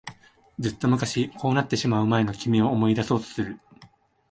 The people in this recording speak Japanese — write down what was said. ずっと昔、こうなってしまう前の君を思い出そうとする。